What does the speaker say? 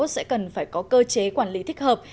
sẽ cần phải có cơ chế quản lý thích hợp